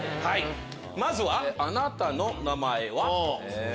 まずは「あなたの名前は？」。